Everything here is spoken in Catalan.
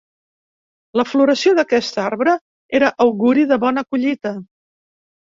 La floració d'aquest arbre era auguri de bona collita.